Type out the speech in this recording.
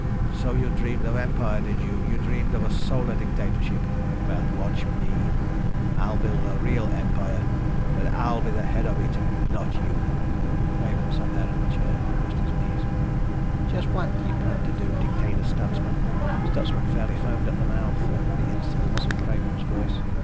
So you dreamed of empire, did you? You dreamed of a solar dictatorship. Well, watch me! I'll build a real empire. But I'll be the head of it ... not you." Craven sat down in his chair, crossed his knees. "Just what do you plan to do, Dictator Stutsman?" Stutsman fairly foamed at the mouth over the insolence of Craven's voice.